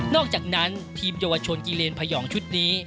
อกจากนั้นทีมเยาวชนกิเลนพยองชุดนี้